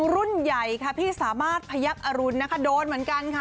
รุ่นใหญ่ค่ะพี่สามารถพยักษรุณนะคะโดนเหมือนกันค่ะ